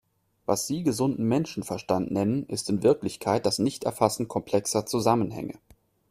Was Sie gesunden Menschenverstand nennen, ist in Wirklichkeit das Nichterfassen komplexer Zusammenhänge.